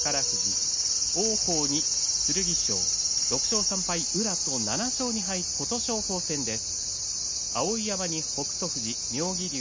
６勝３敗と宇良と７勝２敗琴勝峰戦です。